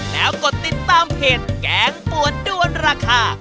แล้วกดติดตามเพจแกงปวดด้วนราคา